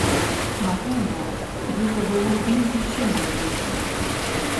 Напэўна, гэта было б не зусім лагічна.